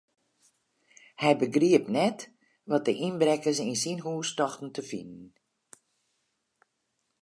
Hy begriep net wat de ynbrekkers yn syn hús tochten te finen.